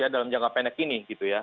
dalam jangka pendek ini